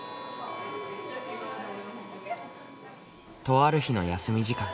とある日の休み時間。